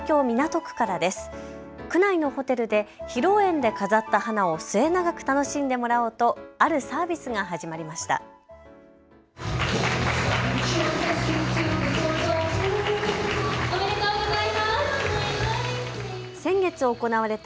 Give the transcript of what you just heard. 区内のホテルで披露宴で飾った花を末永く楽しんでもらおうとあるサービスが始まりました。